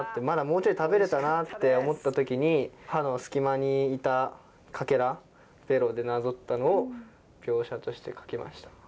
まだもうちょい食べれたなって思った時に歯の隙間にいたかけらベロでなぞったのを描写として書きました。